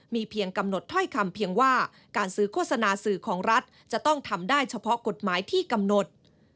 มีเพียงกำหนดถ้อยคำเพียงว่าการซื้อโฆษณาสื่อของรัฐจะต้องทำได้เฉพาะกฎหมายที่กำหนด